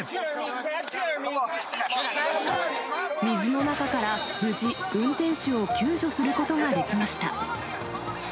水の中から無事、運転手を救助することができました。